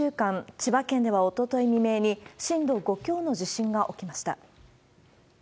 千葉県ではおととい未明に、震度５強の地震が起きました。